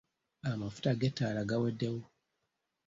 Amafuta g'etaala gaweddewo.